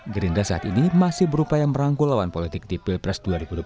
gerindra saat ini masih berupaya merangkul lawan politik di pilpres dua ribu dua puluh empat